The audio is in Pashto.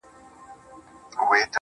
ما خوب كړى جانانه د ښكلا پر ځـنــگانــه.